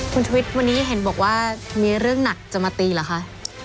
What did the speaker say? คุณชวิตวันนี้เห็นบอกว่ามีเรื่องหนักจะมาตีเหรอคะ